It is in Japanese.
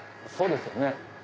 そうですよね。